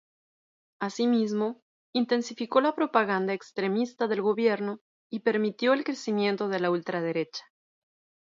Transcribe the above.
Asimismo, intensificó la propaganda extremista del Gobierno y permitió el crecimiento de la ultraderecha.